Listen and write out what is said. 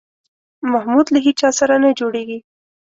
محمود له هېچا سره نه جوړېږي.